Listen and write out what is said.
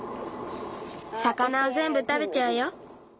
さかなをぜんぶたべちゃうよ。